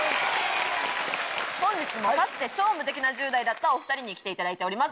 本日もかつて超無敵な１０代だったお２人に来ていただいております